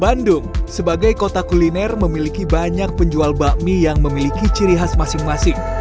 bandung sebagai kota kuliner memiliki banyak penjual bakmi yang memiliki ciri khas masing masing